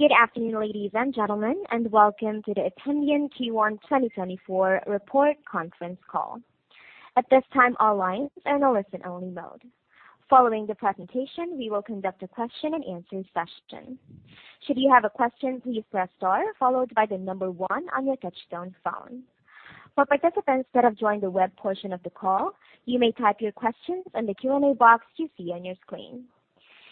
Good afternoon, ladies and gentlemen, and welcome to the Ependion Q1 2024 Report Conference Call. At this time, all lines are in a listen-only mode. Following the presentation, we will conduct a question-and-answer session. Should you have a question, please press star followed by the number one on your touch-tone phone. For participants that have joined the web portion of the call, you may type your questions in the Q&A box you see on your screen.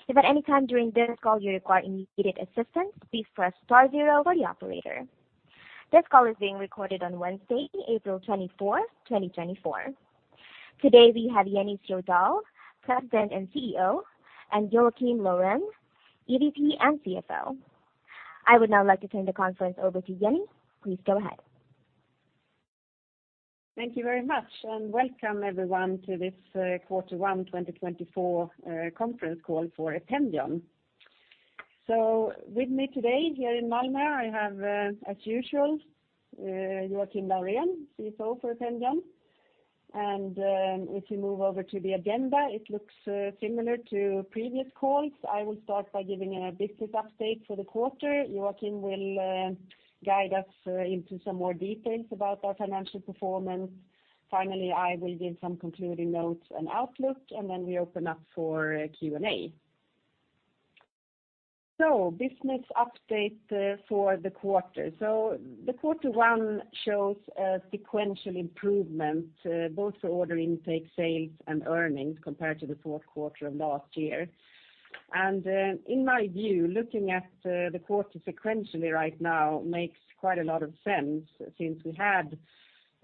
If at any time during this call you require immediate assistance, please press star zero for the operator. This call is being recorded on Wednesday, April 24, 2024. Today we have Jenny Sjödahl, President and CEO, and Joakim Laurén, EVP and CFO. I would now like to turn the conference over to Jenny. Please go ahead. Thank you very much, and welcome everyone to this Q1 2024 Conference Call for Ependion. With me today here in Malmö, I have, as usual, Joakim Laurén, CFO for Ependion. If we move over to the agenda, it looks similar to previous calls. I will start by giving a business update for the quarter. Joakim will guide us into some more details about our financial performance. Finally, I will give some concluding notes and outlook, and then we open up for Q&A. Business update for the quarter. The Q1 shows a sequential improvement, both for order intake, sales, and earnings compared to the Q4 of last year. In my view, looking at the quarter sequentially right now makes quite a lot of sense since we had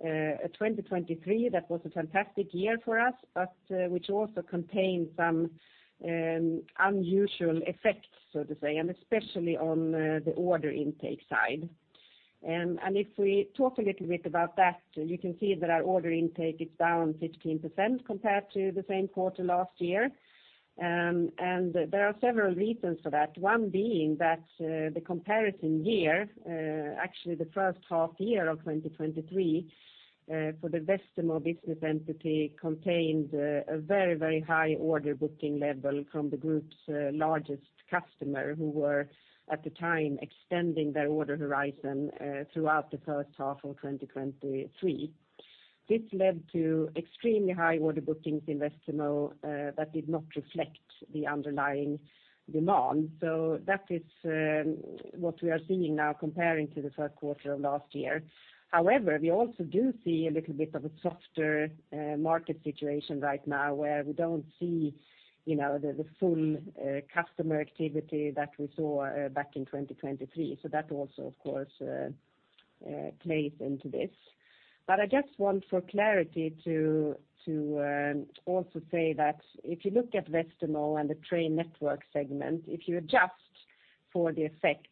a 2023 that was a fantastic year for us, but which also contained some unusual effects, so to say, and especially on the order intake side. If we talk a little bit about that, you can see that our order intake is down 15% compared to the same quarter last year. There are several reasons for that, one being that the comparison year, actually the H1 year of 2023, for the Westermo business entity contained a very, very high order booking level from the group's largest customer who were, at the time, extending their order horizon throughout the H1 of 2023. This led to extremely high order bookings in Westermo that did not reflect the underlying demand. So that is what we are seeing now comparing to the Q1 of last year. However, we also do see a little bit of a softer market situation right now where we don't see the full customer activity that we saw back in 2023. So that also, of course, plays into this. But I just want, for clarity, to also say that if you look at Westermo and the train network segment, if you adjust for the effects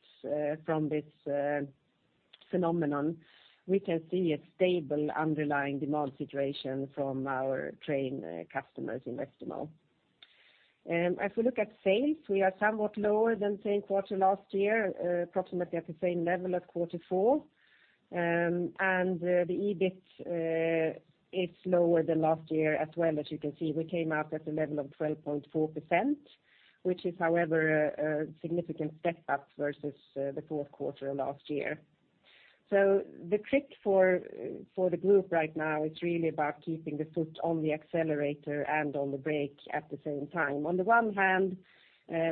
from this phenomenon, we can see a stable underlying demand situation from our train customers in Westermo. If we look at sales, we are somewhat lower than same quarter last year, approximately at the same level as Q4. And the EBIT is lower than last year as well. As you can see, we came out at the level of 12.4%, which is, however, a significant step up versus the Q4 of last year. So the trick for the group right now is really about keeping the foot on the accelerator and on the brake at the same time. On the one hand,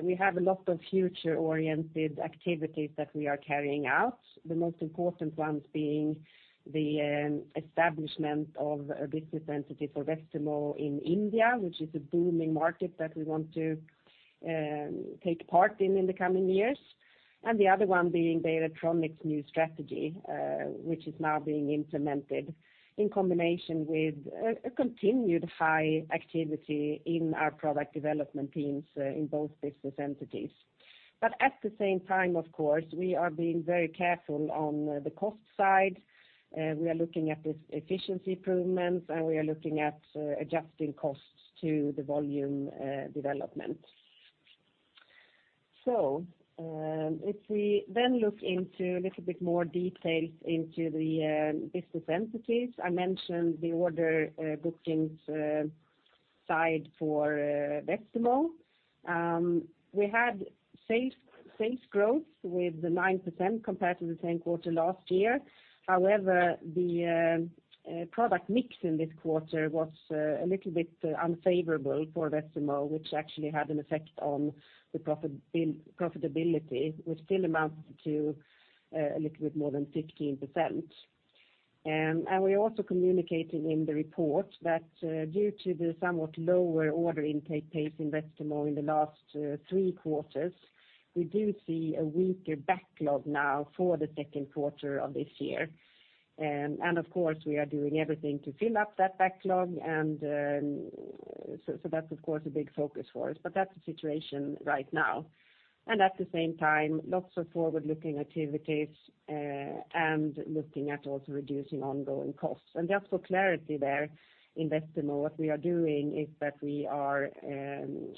we have a lot of future-oriented activities that we are carrying out, the most important ones being the establishment of a business entity for Westermo in India, which is a booming market that we want to take part in in the coming years, and the other one being the Beijer Electronics new strategy, which is now being implemented in combination with a continued high activity in our product development teams in both business entities. But at the same time, of course, we are being very careful on the cost side. We are looking at efficiency improvements, and we are looking at adjusting costs to the volume development. So if we then look into a little bit more details into the business entities, I mentioned the order bookings side for Westermo. We had sales growth with 9% compared to the same quarter last year. However, the product mix in this quarter was a little bit unfavorable for Westermo, which actually had an effect on the profitability, which still amounts to a little bit more than 15%. And we are also communicating in the report that due to the somewhat lower order intake pace in Westermo in the last three quarters, we do see a weaker backlog now for the Q2 of this year. And of course, we are doing everything to fill up that backlog, and so that's, of course, a big focus for us. But that's the situation right now. And at the same time, lots of forward-looking activities and looking at also reducing ongoing costs. And just for clarity there, in Westermo, what we are doing is that we are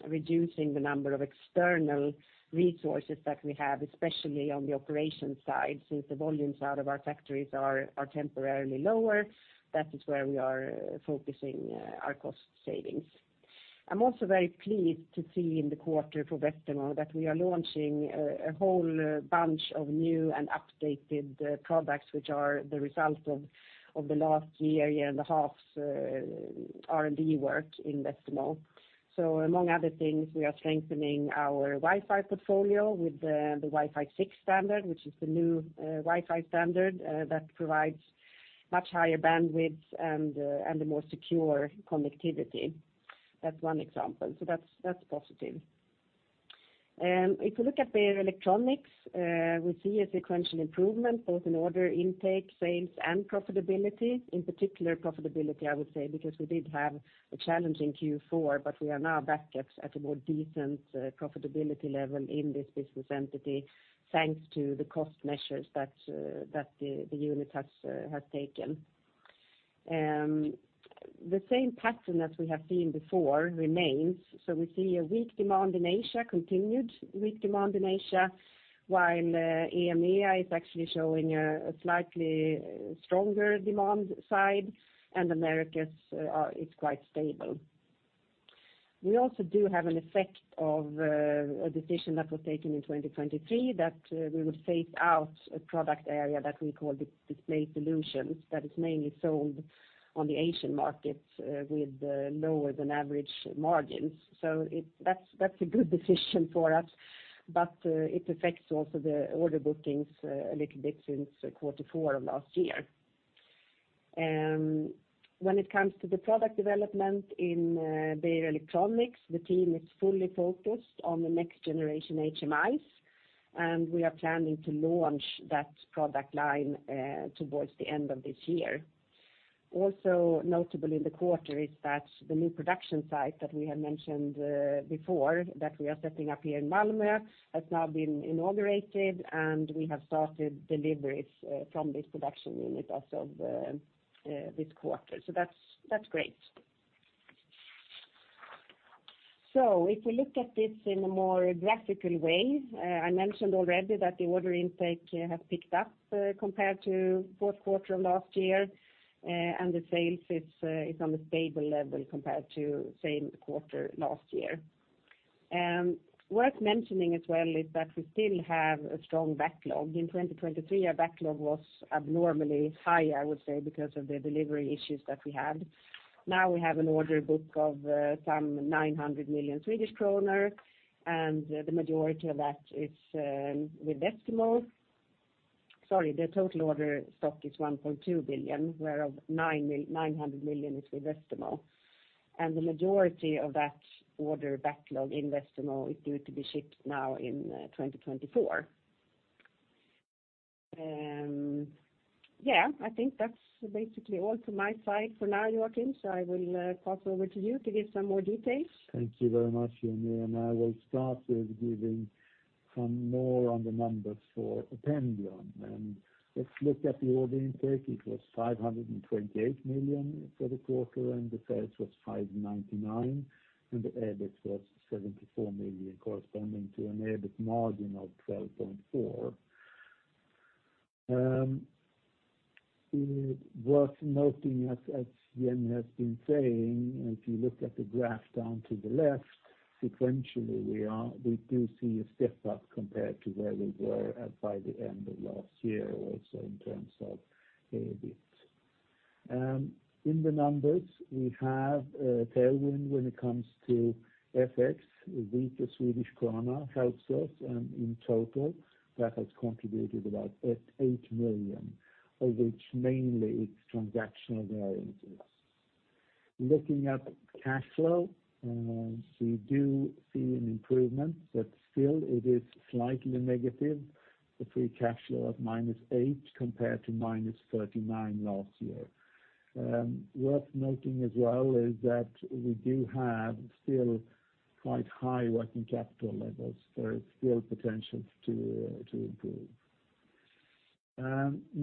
reducing the number of external resources that we have, especially on the operations side, since the volumes out of our factories are temporarily lower. That is where we are focusing our cost savings. I'm also very pleased to see in the quarter for Westermo that we are launching a whole bunch of new and updated products, which are the result of the last year, year and a half's R&D work in Westermo. So among other things, we are strengthening our Wi-Fi portfolio with the Wi-Fi 6 standard, which is the new Wi-Fi standard that provides much higher bandwidth and more secure connectivity. That's one example. So that's positive. If we look at the electronics, we see a sequential improvement both in order intake, sales, and profitability. In particular, profitability, I would say, because we did have a challenging Q4, but we are now back at a more decent profitability level in this business entity thanks to the cost measures that the unit has taken. The same pattern that we have seen before remains. So we see a weak demand in Asia, continued weak demand in Asia, while EMEA is actually showing a slightly stronger demand side, and Americas is quite stable. We also do have an effect of a decision that was taken in 2023 that we would phase out a product area that we call Display Solutions that is mainly sold on the Asian markets with lower-than-average margins. So that's a good decision for us, but it affects also the order bookings a little bit since Q4 of last year. When it comes to the product development in Beijer Electronics, the team is fully focused on the next-generation HMIs, and we are planning to launch that product line towards the end of this year. Also notable in the quarter is that the new production site that we have mentioned before that we are setting up here in Malmö has now been inaugurated, and we have started deliveries from this production unit also this quarter. So that's great. So if we look at this in a more graphical way, I mentioned already that the order intake has picked up compared to Q4 of last year, and the sales is on a stable level compared to same quarter last year. Worth mentioning as well is that we still have a strong backlog. In 2023, our backlog was abnormally high, I would say, because of the delivery issues that we had. Now we have an order book of some 900 million Swedish kronor, and the majority of that is with Westermo. Sorry, the total order stock is 1.2 billion, whereof 900 million is with Westermo. And the majority of that order backlog in Westermo is due to be shipped now in 2024. Yeah, I think that's basically all from my side for now, Joakim. So I will pass over to you to give some more details. Thank you very much, Jenny. I will start with giving some more on the numbers for Ependion. Let's look at the order intake. It was 528 million for the quarter, and the sales was 599 million, and the EBIT was 74 million, corresponding to an EBIT margin of 12.4%. Worth noting, as Jenny has been saying, if you look at the graph down to the left, sequentially, we do see a step up compared to where we were by the end of last year also in terms of EBIT. In the numbers, we have a tailwind when it comes to FX. The weaker Swedish krona helps us, and in total, that has contributed about 8 million, of which mainly it's transactional variances. Looking at cash flow, we do see an improvement, but still, it is slightly negative, the free cash flow at -8 million compared to -39 million last year. Worth noting as well is that we do have still quite high working capital levels, so there's still potential to improve.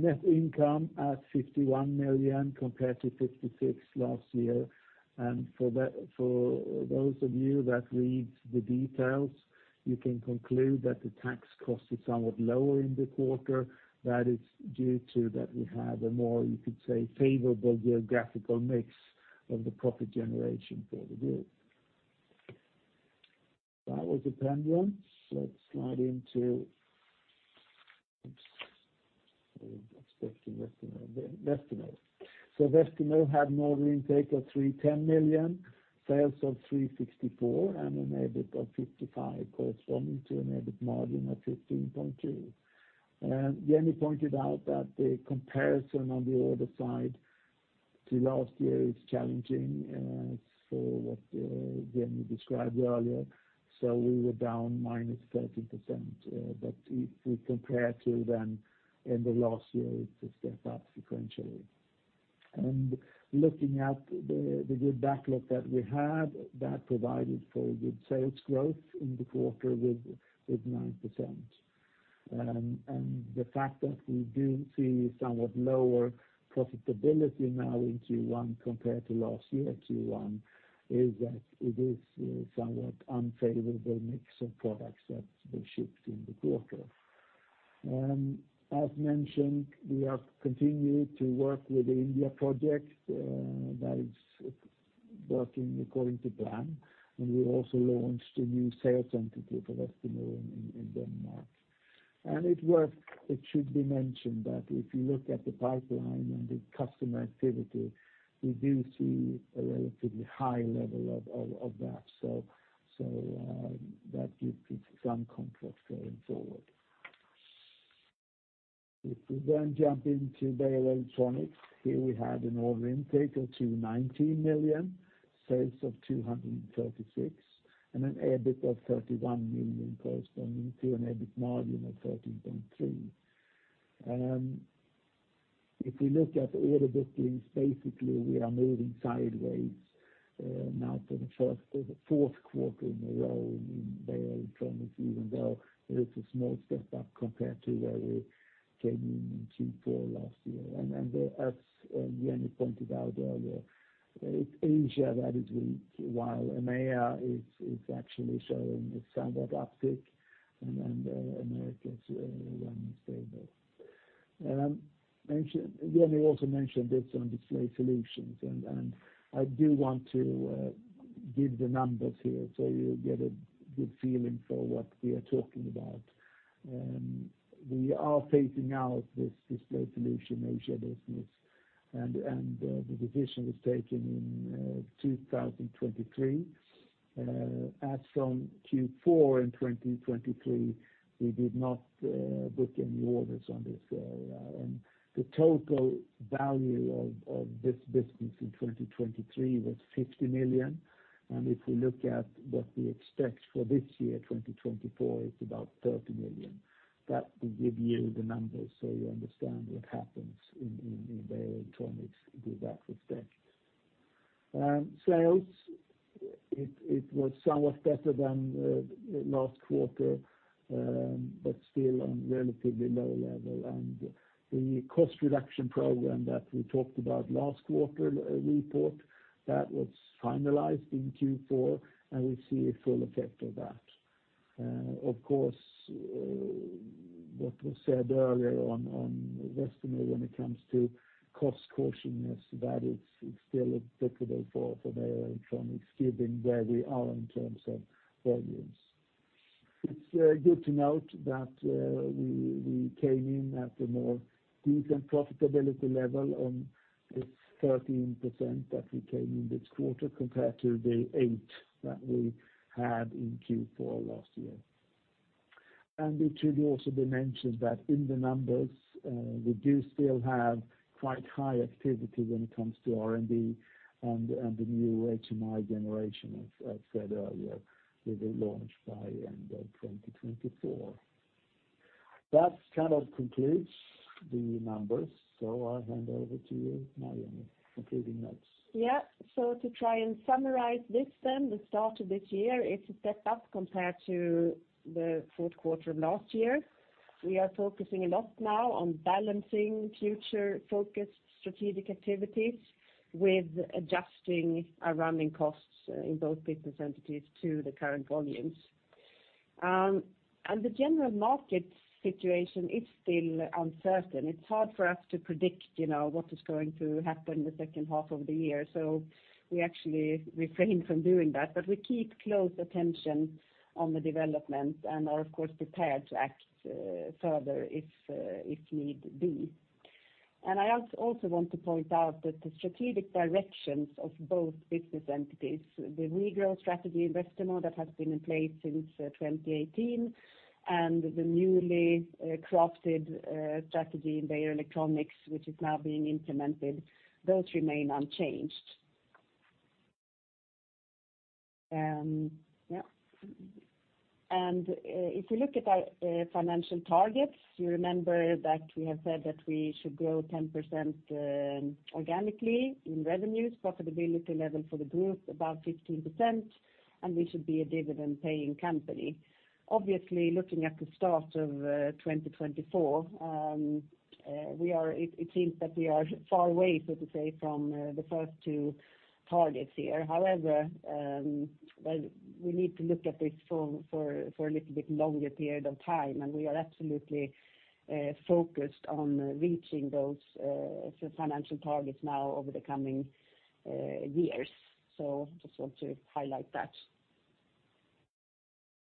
Net income at 51 million compared to 56 million last year. And for those of you that read the details, you can conclude that the tax cost is somewhat lower in the quarter. That is due to that we have a more, you could say, favorable geographical mix of the profit generation for the group. That was Ependion. Let's slide into oops, I'm expecting Westermo. So Westermo had an order intake of 310 million, sales of 364 million, and an EBIT of 55 million, corresponding to an EBIT margin of 15.2%. Jenny pointed out that the comparison on the order side to last year is challenging for what Jenny described earlier. So we were down -13%. But if we compare to the end of last year, it's a step up sequentially. And looking at the good backlog that we had, that provided for good sales growth in the quarter with 9%. And the fact that we do see somewhat lower profitability now in Q1 compared to last year Q1 is that it is somewhat unfavorable mix of products that were shipped in the quarter. As mentioned, we have continued to work with the India project. That is working according to plan, and we also launched a new sales entity for Westermo in Denmark. It should be mentioned that if you look at the pipeline and the customer activity, we do see a relatively high level of that, so that gives us some comfort going forward. If we then jump into Beijer Electronics, here we had an order intake of 219 million, sales of 236 million, and an EBIT of 31 million, corresponding to an EBIT margin of 13.3%. If we look at the order bookings, basically, we are moving sideways now for the Q4 in a row in Beijer Electronics, even though there is a small step up compared to where we came in in Q4 last year. As Jenny pointed out earlier, it's Asia that is weak, while EMEA is actually showing a somewhat uptick, and Americas is running stable. Jenny also mentioned this on Display Solutions. I do want to give the numbers here so you get a good feeling for what we are talking about. We are phasing out this Display Solution Asia business, and the decision was taken in 2023. As from Q4 in 2023, we did not book any orders on this area. The total value of this business in 2023 was 50 million. If we look at what we expect for this year, 2024, it's about 30 million. That will give you the numbers so you understand what happens in Beijer Electronics with that respect. Sales, it was somewhat better than last quarter, but still on a relatively low level. The cost reduction program that we talked about last quarter report, that was finalized in Q4, and we see a full effect of that. Of course, what was said earlier on Westermo when it comes to cost cautionness, that is still applicable for Beijer Electronics, given where we are in terms of volumes. It's good to note that we came in at a more decent profitability level on this 13% that we came in this quarter compared to the 8% that we had in Q4 last year. And it should also be mentioned that in the numbers, we do still have quite high activity when it comes to R&D and the new HMI generation, as said earlier, which will be launched by end of 2024. That kind of concludes the numbers. So I hand over to you now, Jenny, concluding notes. Yeah. So to try and summarize this then, the start of this year, it's a step up compared to the Q4 of last year. We are focusing a lot now on balancing future-focused strategic activities with adjusting our running costs in both business entities to the current volumes. The general market situation is still uncertain. It's hard for us to predict what is going to happen the H2 of the year, so we actually refrain from doing that. But we keep close attention on the developments and are, of course, prepared to act further if need be. And I also want to point out that the strategic directions of both business entities, the regrowth strategy in Westermo that has been in place since 2018 and the newly crafted strategy in Beijer Electronics, which is now being implemented, those remain unchanged. Yeah. And if we look at our financial targets, you remember that we have said that we should grow 10% organically in revenues, profitability level for the group above 15%, and we should be a dividend-paying company. Obviously, looking at the start of 2024, it seems that we are far away, so to say, from the first two targets here. However, we need to look at this for a little bit longer period of time, and we are absolutely focused on reaching those financial targets now over the coming years. So I just want to highlight that.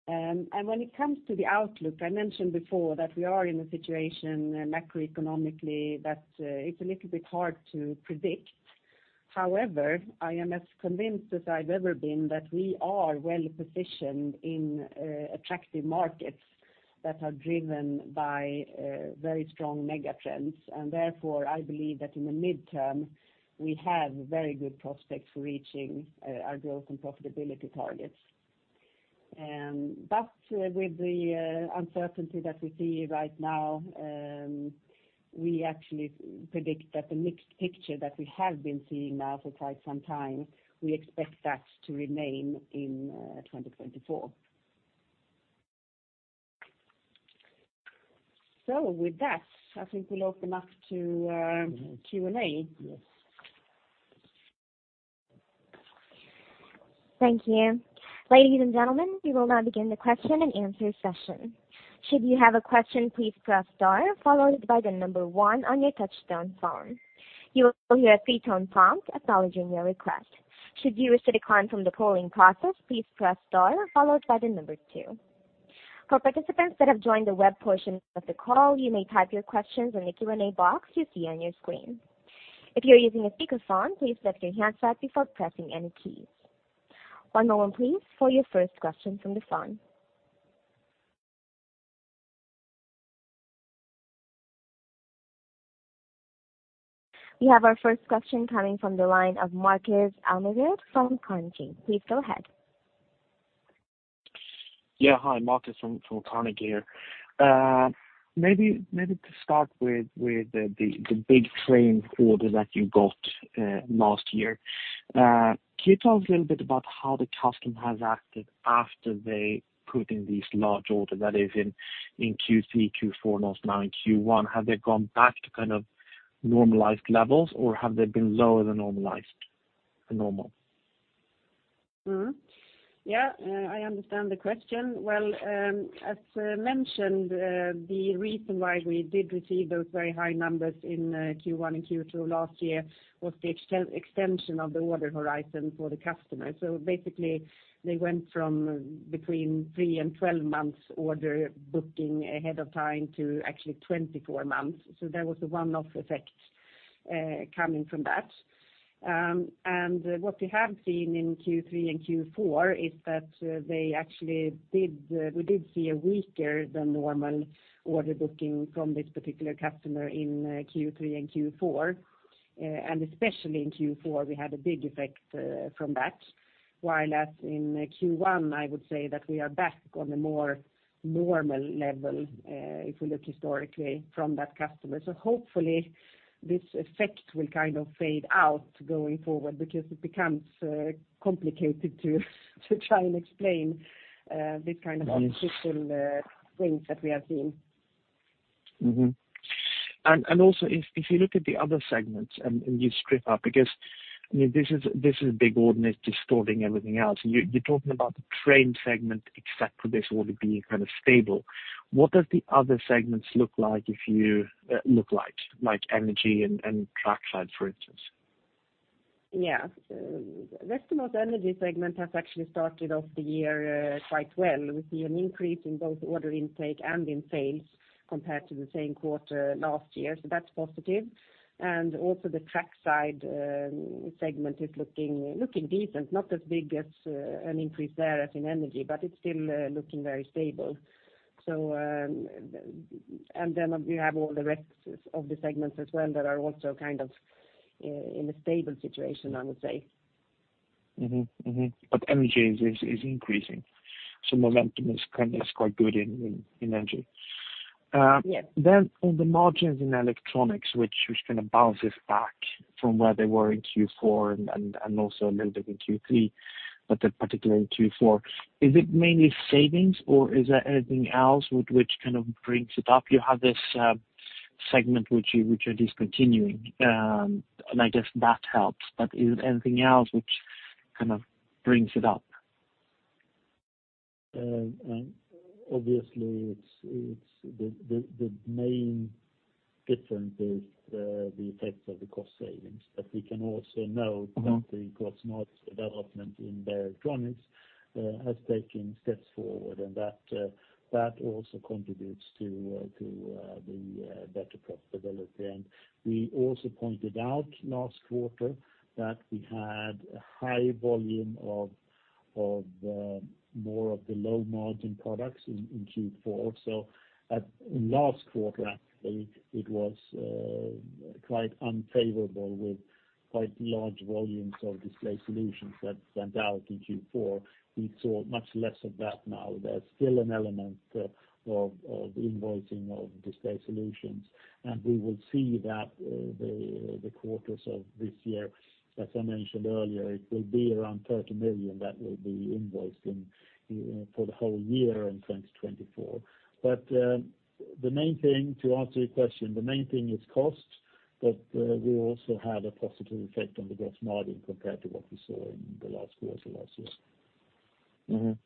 And when it comes to the outlook, I mentioned before that we are in a situation macroeconomically that it's a little bit hard to predict. However, I am as convinced as I've ever been that we are well-positioned in attractive markets that are driven by very strong megatrends. And therefore, I believe that in the midterm, we have very good prospects for reaching our growth and profitability targets. But with the uncertainty that we see right now, we actually predict that the mixed picture that we have been seeing now for quite some time. We expect that to remain in 2024. So with that, I think we'll open up to Q&A. Yes. Thank you. Ladies and gentlemen, we will now begin the question and answer session. Should you have a question, please press star, followed by the number one on your touch-tone phone. You will hear a three-tone prompt acknowledging your request. Should you receive a card from the polling process, please press star, followed by the number two. For participants that have joined the web portion of the call, you may type your questions in the Q&A box you see on your screen. If you're using a speakerphone, please lift your hands up before pressing any keys. One moment, please, for your first question from the phone. We have our first question coming from the line of Markus Almerud from Carnegie. Please go ahead. Yeah, hi. Markus from Carnegie here. Maybe to start with the big train order that you got last year, can you tell us a little bit about how the customer has acted after they put in these large orders, that is, in Q3, Q4, and also now in Q1? Have they gone back to kind of normalized levels, or have they been lower than normal? Yeah, I understand the question. Well, as mentioned, the reason why we did receive those very high numbers in Q1 and Q2 last year was the extension of the order horizon for the customer. So basically, they went from between 3-12-month order booking ahead of time to actually 24 months. So there was a one-off effect coming from that. And what we have seen in Q3 and Q4 is that we did see a weaker than normal order booking from this particular customer in Q3 and Q4. And especially in Q4, we had a big effect from that, while as in Q1, I would say that we are back on a more normal level, if we look historically, from that customer. Hopefully, this effect will kind of fade out going forward because it becomes complicated to try and explain this kind of artificial things that we have seen. Also, if you look at the other segments and you strip out because, I mean, this is a big order. It's distorting everything else. You're talking about the trend segment except for this order being kind of stable. What does the other segments look like if you look like, like energy and trackside, for instance? Yeah. Westermo's energy segment has actually started off the year quite well. We see an increase in both order intake and in sales compared to the same quarter last year, so that's positive. And also, the trackside segment is looking decent, not as big as an increase there as in energy, but it's still looking very stable. And then we have all the rest of the segments as well that are also kind of in a stable situation, I would say. But energy is increasing, so momentum is quite good in energy. Then on the margins in electronics, which kind of bounces back from where they were in Q4 and also a little bit in Q3, but particularly in Q4, is it mainly savings, or is there anything else which kind of brings it up? You have this segment which are discontinuing, and I guess that helps. But is there anything else which kind of brings it up? Obviously, the main difference is the effects of the cost savings, that we can also note that the gross margin development in Beijer Electronics has taken steps forward, and that also contributes to the better profitability. And we also pointed out last quarter that we had a high volume of more of the low-margin products in Q4. So last quarter, actually, it was quite unfavorable with quite large volumes of Display Solutions that went out in Q4. We saw much less of that now. There's still an element of invoicing of Display Solutions, and we will see that the quarters of this year, as I mentioned earlier, it will be around 30 million that will be invoiced for the whole year in 2024. The main thing, to answer your question, the main thing is cost, but we also had a positive effect on the gross margin compared to what we saw in the last quarter last year.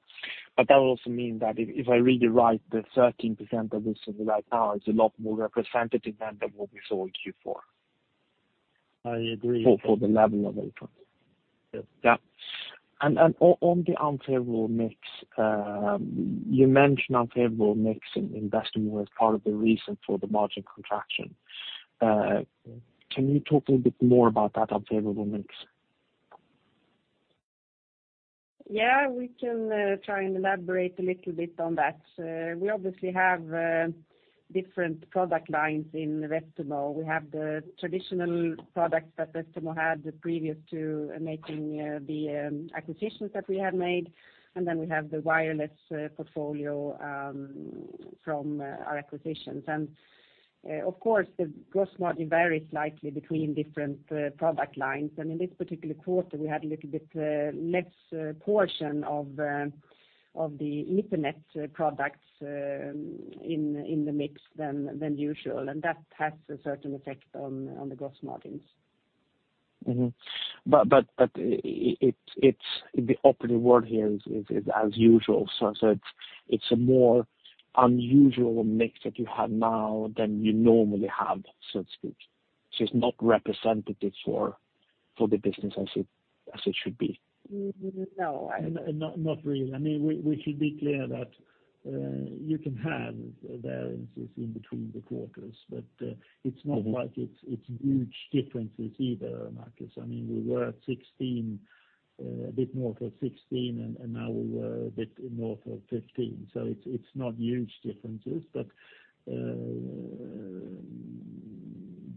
But that would also mean that if I really write the 13% that we saw right now, it's a lot more representative than what we saw in Q4. I agree. For the level of electronics. Yeah. And on the unfavorable mix, you mentioned unfavorable mix in Westermo as part of the reason for the margin contraction. Can you talk a little bit more about that unfavorable mix? Yeah, we can try and elaborate a little bit on that. We obviously have different product lines in Westermo. We have the traditional products that Westermo had previous to making the acquisitions that we have made, and then we have the wireless portfolio from our acquisitions. And of course, the gross margin varies slightly between different product lines. And in this particular quarter, we had a little bit less portion of the Ethernet products in the mix than usual, and that has a certain effect on the gross margins. But the operating world here is as usual. So it's a more unusual mix that you have now than you normally have, so to speak. So it's not representative for the business as it should be. No, I don't. Not really. I mean, we should be clear that you can have variances in between the quarters, but it's not like it's huge differences either, Marcus. I mean, we were at 16, a bit north of 16, and now we were a bit north of 15. So it's not huge differences, but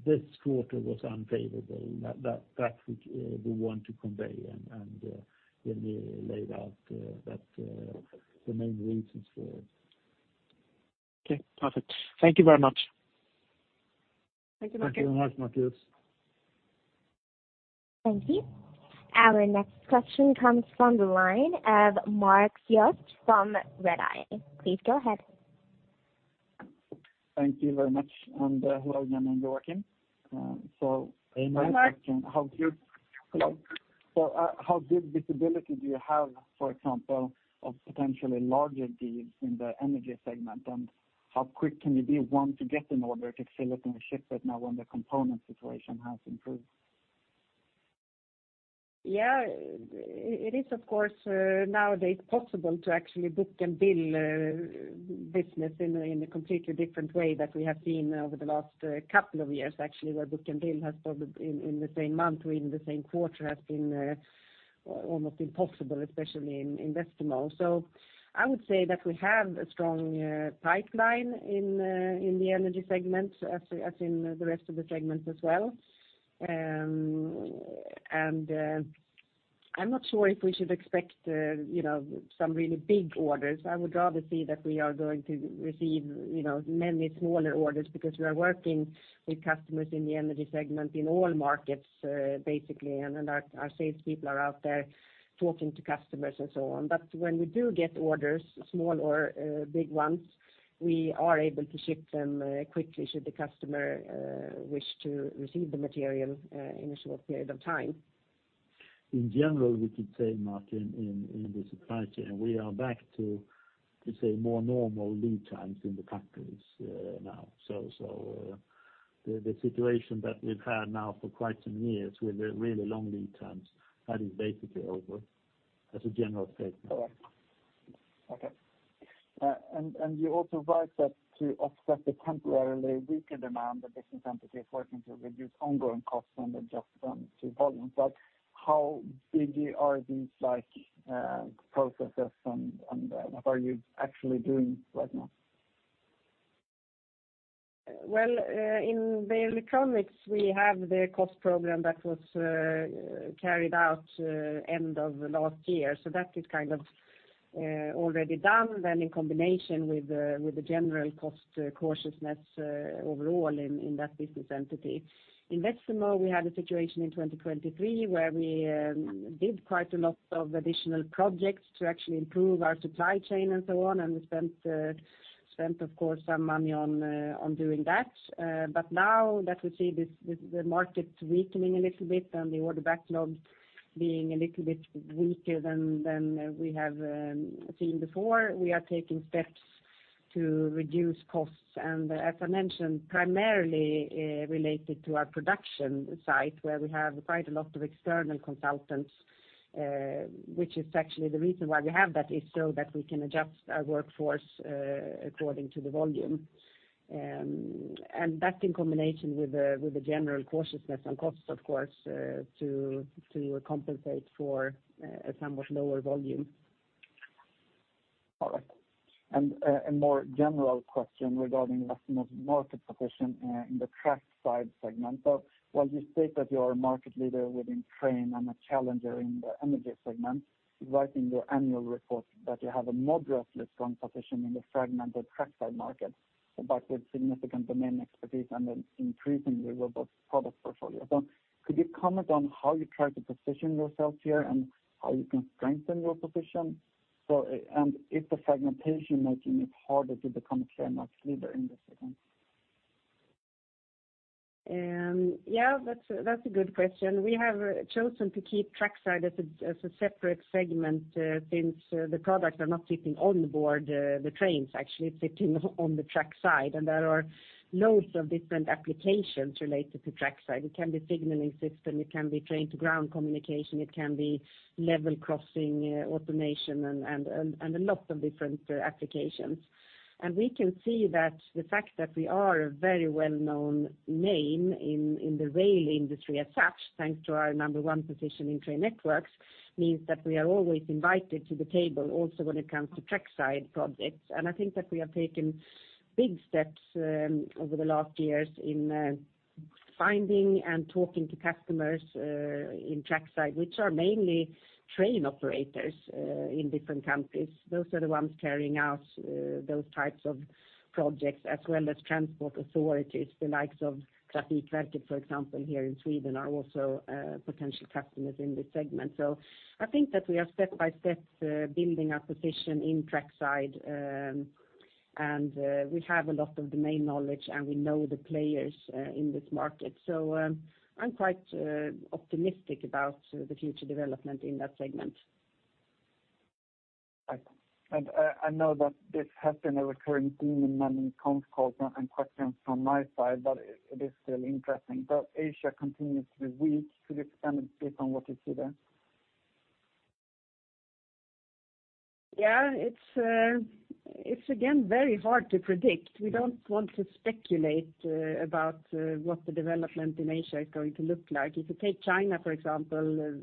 this quarter was unfavorable. That we want to convey, and Jenny laid out the main reasons for it. Okay. Perfect. Thank you very much. Thank you, Markus. Thank you very much, Markus. Thank you. Our next question comes from the line of Mark Siöstedt from Redeye. Please go ahead. Thank you very much. Hello, Jenny and Joakim. My question. Hey, Mark. Hello? So, how good visibility do you have, for example, of potentially larger deals in the energy segment, and how quick can you be once to get an order to fill it and ship it now when the component situation has improved? Yeah, it is, of course, nowadays possible to actually book and bill business in a completely different way that we have seen over the last couple of years, actually, where book and bill has probably in the same month or even the same quarter has been almost impossible, especially in Westermo. So I would say that we have a strong pipeline in the energy segment, as in the rest of the segments as well. And I'm not sure if we should expect some really big orders. I would rather see that we are going to receive many smaller orders because we are working with customers in the energy segment in all markets, basically, and our salespeople are out there talking to customers and so on. But when we do get orders, small or big ones, we are able to ship them quickly should the customer wish to receive the material in a short period of time. In general, we could say, Mark, in the supply chain, we are back to, let's say, more normal lead times in the factories now. So the situation that we've had now for quite some years with really long lead times, that is basically over as a general statement. Correct. Okay. And you also write that to offset the temporarily weaker demand, the business entity is working to reduce ongoing costs and adjust them to volumes. How big are these processes, and what are you actually doing right now? Well, in Beijer Electronics, we have the cost program that was carried out end of last year, so that is kind of already done, then in combination with the general cost cautiousness overall in that business entity. In Westermo, we had a situation in 2023 where we did quite a lot of additional projects to actually improve our supply chain and so on, and we spent, of course, some money on doing that. But now that we see the market weakening a little bit and the order backlog being a little bit weaker than we have seen before, we are taking steps to reduce costs. And as I mentioned, primarily related to our production site where we have quite a lot of external consultants, which is actually the reason why we have that, is so that we can adjust our workforce according to the volume. That's in combination with the general cautiousness on costs, of course, to compensate for a somewhat lower volume. All right. A more general question regarding Westermo's market position in the trackside segment. So while you state that you are a market leader within train and a challenger in the energy segment, you write in your annual report that you have a moderately strong position in the fragmented trackside market but with significant domain expertise and an increasingly robust product portfolio. So could you comment on how you try to position yourself here and how you can strengthen your position? And is the fragmentation making it harder to become a clear market leader in this segment? Yeah, that's a good question. We have chosen to keep trackside as a separate segment since the products are not sitting on board the trains, actually. It's sitting on the trackside, and there are loads of different applications related to trackside. It can be signaling system. It can be train-to-ground communication. It can be level crossing automation and a lot of different applications. And we can see that the fact that we are a very well-known name in the rail industry as such, thanks to our number one position in train networks, means that we are always invited to the table also when it comes to trackside projects. And I think that we have taken big steps over the last years in finding and talking to customers in trackside, which are mainly train operators in different countries. Those are the ones carrying out those types of projects, as well as transport authorities. The likes of Trafikverket, for example, here in Sweden are also potential customers in this segment. So I think that we are step by step building our position in trackside, and we have a lot of domain knowledge, and we know the players in this market. So I'm quite optimistic about the future development in that segment. Okay. And I know that this has been a recurring theme in many phone calls and questions from my side, but it is still interesting. But Asia continues to be weak. To the extent it's based on what you see there? Yeah, it's, again, very hard to predict. We don't want to speculate about what the development in Asia is going to look like. If you take China, for example,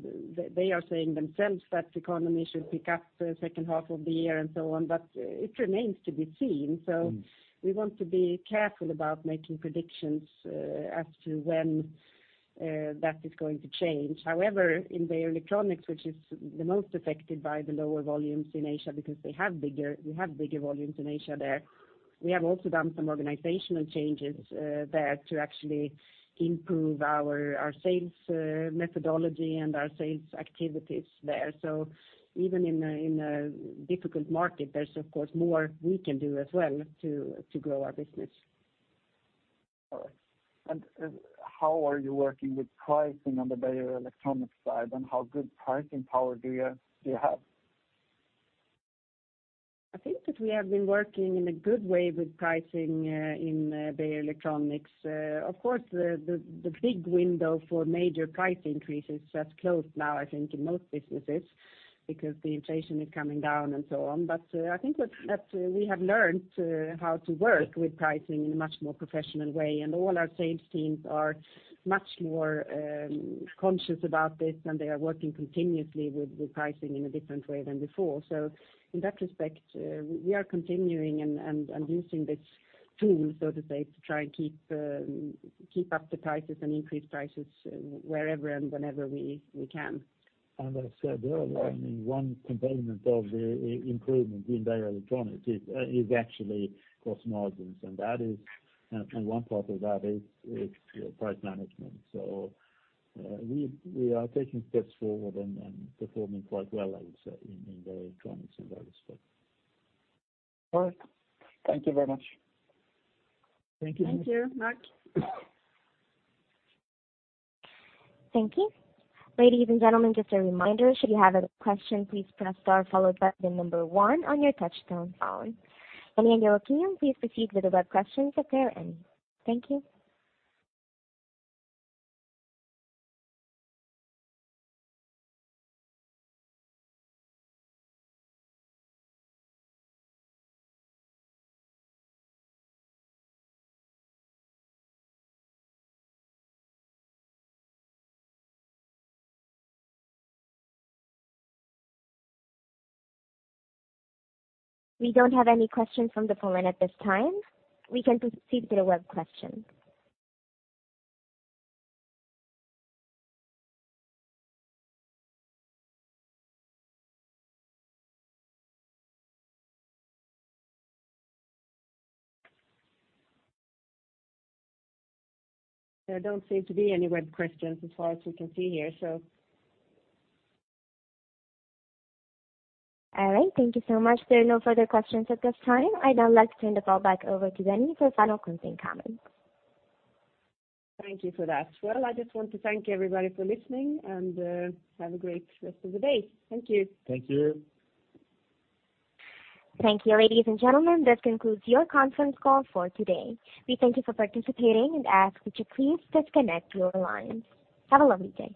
they are saying themselves that the economy should pick up the H2 of the year and so on, but it remains to be seen. So we want to be careful about making predictions as to when that is going to change. However, in Beijer Electronics, which is the most affected by the lower volumes in Asia because we have bigger volumes in Asia there, we have also done some organizational changes there to actually improve our sales methodology and our sales activities there. So even in a difficult market, there's, of course, more we can do as well to grow our business. All right. And how are you working with pricing on the Beijer Electronics side, and how good pricing power do you have? I think that we have been working in a good way with pricing in Beijer Electronics. Of course, the big window for major price increases has closed now, I think, in most businesses because the inflation is coming down and so on. But I think that we have learned how to work with pricing in a much more professional way, and all our sales teams are much more conscious about this, and they are working continuously with pricing in a different way than before. So in that respect, we are continuing and using this tool, so to say, to try and keep up the prices and increase prices wherever and whenever we can. As I said, the only one component of the improvement in Beijer Electronics is actually gross margins, and one part of that is price management. So we are taking steps forward and performing quite well, I would say, in Beijer Electronics in that respect. All right. Thank you very much. Thank you. Thank you, Mark. Thank you. Ladies and gentlemen, just a reminder, should you have a question, please press star followed by the number one on your touch-tone phone. Any other questions, please proceed with the web questions if there are any. Thank you. We don't have any questions from the phone at this time. We can proceed to the web question. There don't seem to be any web questions as far as we can see here, so. All right. Thank you so much. There are no further questions at this time. I'd now like to turn the call back over to Jenny for final closing comments. Thank you for that. Well, I just want to thank everybody for listening and have a great rest of the day. Thank you. Thank you. Thank you. Ladies and gentlemen, this concludes your conference call for today. We thank you for participating and ask that you please disconnect your lines. Have a lovely day.